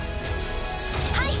はい。